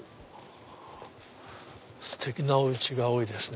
ステキなお家が多いですね